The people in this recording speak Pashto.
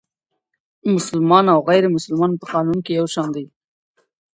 مسلمان او غیر مسلمان په قانون کي یو شان دي.